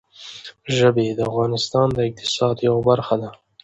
ژبې د افغانستان د اقتصاد یوه برخه ده.